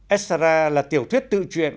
estrada là tiểu thuyết tự truyện